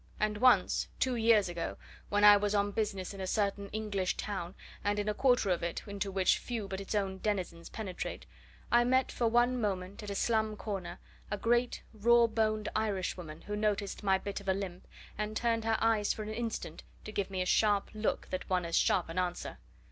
And once, two years ago, when I was on business in a certain English town, and in a quarter of it into which few but its own denizens penetrate, I met for one moment, at a slum corner, a great raw boned Irishwoman who noticed my bit of a limp, and turned her eyes for an instant to give me a sharp look that won as sharp an answer.